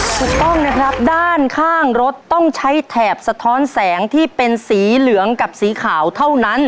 ถูกต้องนะครับด้านข้างรถต้องใช้แถบสะท้อนแสงที่เป็นสีเหลืองกับสีขาวเท่านั้น